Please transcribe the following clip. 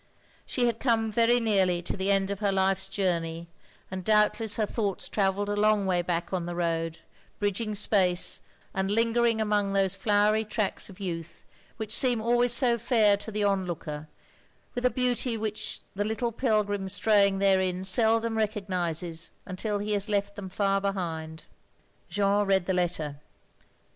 She had come very nearly to the end of her life's jotimey, and doubtless her thoughts travelled a long way back on the road, bridging space, and lingering among those flowery tracks of youth which seem always so fair to the onlooker, with a beauty which the little pilgrim straying therein seldom recognises until he has left them far behind. Jeanne read the letter.